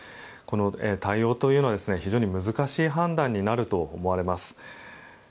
この対応というのは非常に難しい判断になると思われます。